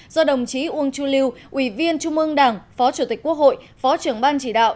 do đồng chí uông chu lưu ủy viên trung ương đảng phó chủ tịch quốc hội phó trưởng ban chỉ đạo